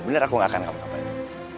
bener aku gak akan kamu ngapain